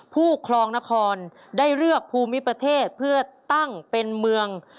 ครองนครได้เลือกภูมิประเทศเพื่อตั้งเป็นเมือง